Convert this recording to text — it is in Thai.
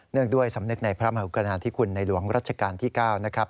งด้วยสำนึกในพระมหากรุณาธิคุณในหลวงรัชกาลที่๙นะครับ